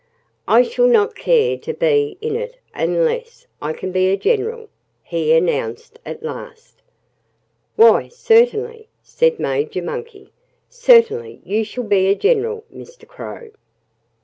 "I shall not care to be in it unless I can be a general," he announced at last. "Why, certainly!" said Major Monkey. "Certainly you shall be a general, Mr. Crow."